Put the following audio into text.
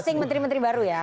bosting menteri menteri baru ya